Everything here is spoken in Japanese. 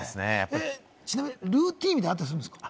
ちなみにルーティンみたいなのあったりするんですか？